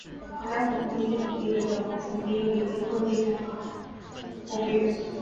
该火控系统亦被德国空军用于监控低空空域。